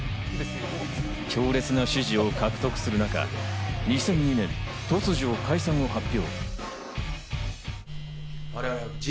強烈な支持を獲得する中、２００２年、突如解散を発表。